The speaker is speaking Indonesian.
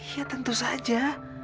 ya tentu saja